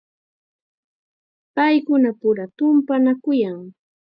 Paykunapura tumpanakuyan.